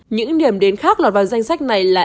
những điểm đến khác lọt vào danh sách này là